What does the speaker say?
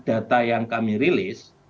data yang kami rilis